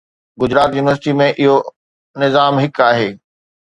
Gujarat university ۾ اهو نظام هڪ آهي